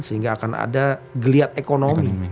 sehingga akan ada geliat ekonomi